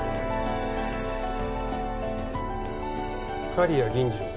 刈谷銀次郎は？